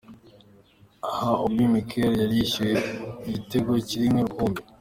aha Obi mikel yari yishyuye ugitego kimwe rukumbi